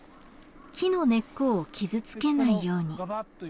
木の根っこを傷つけないように。